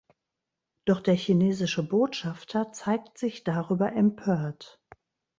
Doch der chinesische Botschafter zeigt sich darüber empört.